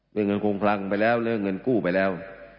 เรื่องเงินคงคลังไปแล้วเรื่องเงินกู้ไปแล้ว